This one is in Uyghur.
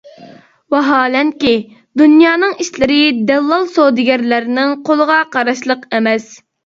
ۋاھالەنكى، دۇنيانىڭ ئىشلىرى دەللال سودىگەرلەرنىڭ قولىغا قاراشلىق ئەمەس.